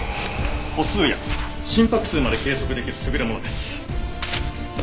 歩数や心拍数まで計測できる優れものです。